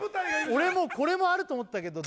俺もこれもあると思ったけど